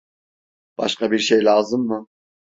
Başka bir şey lazım mı?